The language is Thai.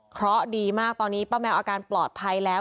เพราะดีมากตอนนี้ป้าแมวอาการปลอดภัยแล้ว